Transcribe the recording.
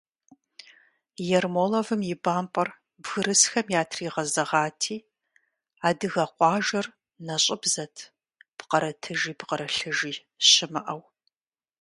Ермоловым и бампӀэр бгырысхэм ятригъэзэгъати, адыгэ къуажэр нэщӀыбзэт, пкърытыжи пкърылъыжи щымыӀэу…